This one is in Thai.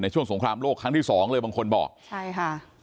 ช่วงสงครามโลกครั้งที่สองเลยบางคนบอกใช่ค่ะ